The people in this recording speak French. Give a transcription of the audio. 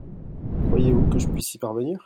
Croyez-vous que je puisse y parvenir ?